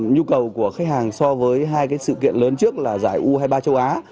nhu cầu của khách hàng so với hai sự kiện lớn trước là giải u hai mươi ba châu á